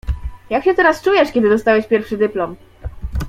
Jak się teraz czujesz, kiedy dostałeś pierwszy dyplom?